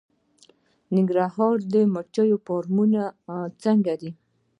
د ننګرهار د مچیو فارمونه څنګه دي؟